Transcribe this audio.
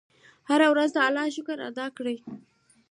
هره ورځ د الله شکر ادا کړه.